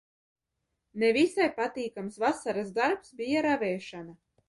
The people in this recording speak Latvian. Ne visai patīkams vasaras darbs bija ravēšana.